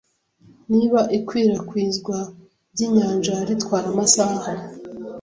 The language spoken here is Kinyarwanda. Niba ikwirakwizwa ryinyanja ritwara amasa